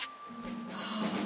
はあ。